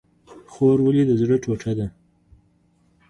خور ولې د زړه ټوټه ده؟